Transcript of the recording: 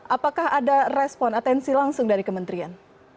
apakah ada respon atensi langsung dari kementerian